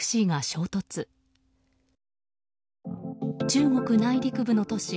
中国内陸部の都市